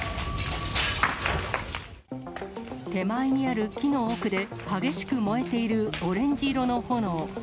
手前にある木の奥で、激しく燃えているオレンジ色の炎。